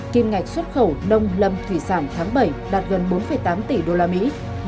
kim ngạch xuất khẩu nông lâm thủy sản tháng bảy đạt gần bốn tám tỷ usd